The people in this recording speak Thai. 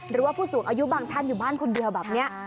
หรือว่าผู้สูงอายุบางท่านอยู่บ้านคนเดียวแบบนี้